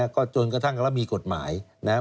ก็จนกระทั่งมีกฎหมาย